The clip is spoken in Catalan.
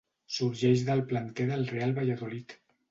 Sorgeix del planter del Real Valladolid.